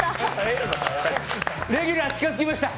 レギュラー近づきました。